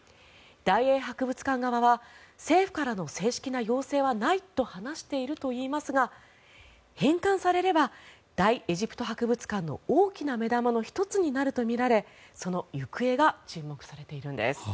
大英博物館側は政府からの正式な要請はないと話しているといいますが返還されれば大エジプト博物館の大きな目玉の１つになるとされその行方が注目されているんです。